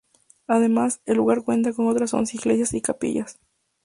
Además, el lugar cuenta con otras once iglesias y capillas.